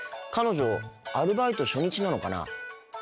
彼女アルバイト初日なのかな。